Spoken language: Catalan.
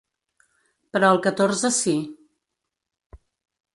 Però el catorze sí.